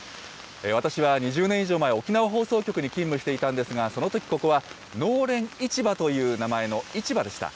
私は２０年以上前、沖縄放送局に勤務していたんですが、そのとき、ここは農連市場という名前の市場でした。